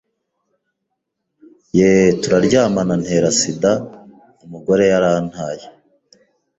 ye turaryamana antera sida, umugore yarantaye